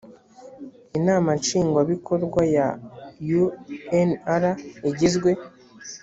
inama nshingwabikorwa ya unr igizwe: